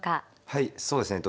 はいそうですね